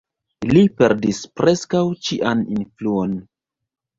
Li perdis preskaŭ ĉian influon.